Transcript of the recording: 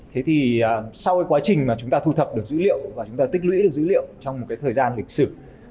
thế thì sau cái quá trình mà chúng ta thu thập được dữ liệu và chúng ta tích lũy được dữ liệu trong một cái thời gian lịch sử